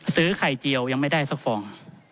ซื้อไข่เจียวยังไม่ได้สักฟอง